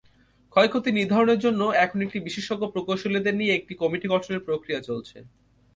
ক্ষয়ক্ষতি নির্ধারণের জন্য এখন বিশেষজ্ঞ প্রকৌশলীদের নিয়ে একটি কমিটি গঠনের প্রক্রিয়া চলছে।